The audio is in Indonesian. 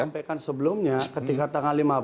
sampaikan sebelumnya ketika tanggal lima belas